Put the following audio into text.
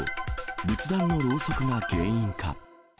仏壇のろうそくが原因か。